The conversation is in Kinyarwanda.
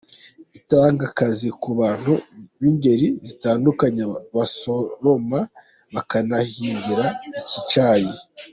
Itanga akazi ku bantu b’ingeri zitandukanye basoroma bakanahingira iki cyayi.